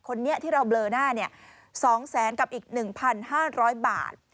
ครั้งนี้ที่เราเบลอหน้าเนี่ยสองแสนกับอีกหนึ่งพันห้านร้อยบาท